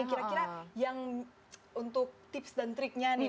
kira kira yang untuk tips dan triknya nih